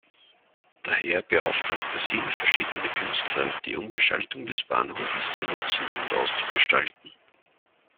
Daher beauftragte sie verschiedene Künstler die Umgestaltung des Bahnhofes zu nutzen und auszugestalten.